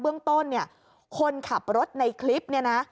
เบื้องต้นเนี่ยคนขับรถในคลิปเนี่ยนะ